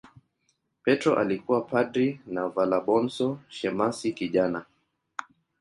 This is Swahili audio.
Petro alikuwa padri na Valabonso shemasi kijana.